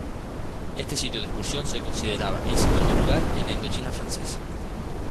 Este sitio de excursión se consideraba en segundo lugar en la Indochina francesa.